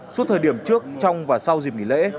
suốt thời điểm trước trong và sau dịp nghỉ lễ